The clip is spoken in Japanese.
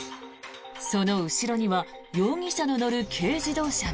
その後ろには容疑者の乗る軽乗用車が。